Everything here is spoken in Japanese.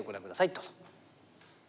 どうぞ。